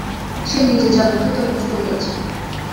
সে নিজে চাবুক খাইতে অভ্যস্ত হইয়াছে।